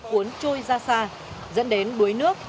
cuốn trôi ra xa dẫn đến đuối nước